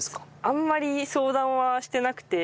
あんまり相談はしてなくて。